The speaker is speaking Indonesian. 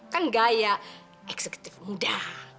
kan gaya eksekutif muda